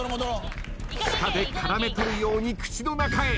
舌でからめ捕るように口の中へ。